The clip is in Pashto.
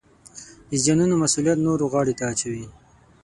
د زیانونو مسوولیت نورو غاړې ته اچوي